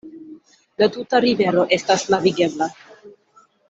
La tuta rivero estas navigebla.